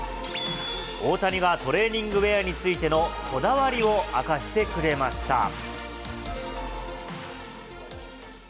大谷がトレーニングウエアについてのこだわりを明かしてくれました。